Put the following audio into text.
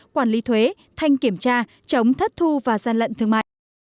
quản lý thuế thanh kiểm tra chống thất thu và gian lận thương mại